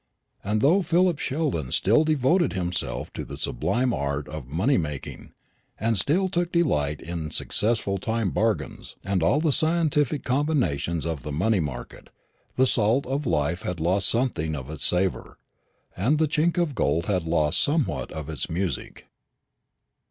And though Philip Sheldon still devoted himself to the sublime art of money making, and still took delight in successful time bargains and all the scientific combinations of the money market, the salt of life had lost something of its savour, and the chink of gold had lost somewhat of its music.